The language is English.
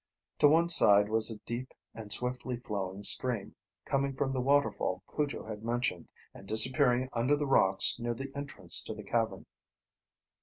To one side was a deep and swiftly flowing stream, coming from the waterfall Cujo had mentioned, and disappearing under the rocks near the entrance to the cavern.